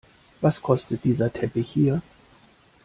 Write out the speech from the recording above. Was kostet dieser Teppich hier?